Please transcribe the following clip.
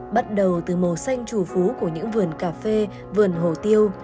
bắt đầu từ màu xanh chủ phú của những vườn cà phê vườn hồ tiêu